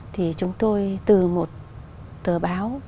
thì chúng tôi từ một tờ báo